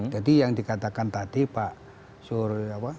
jadi yang dikatakan tadi pak suri apa